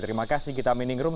terima kasih gita minningrum